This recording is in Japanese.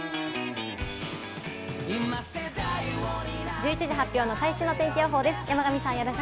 １１時発表の最新の天気予報です。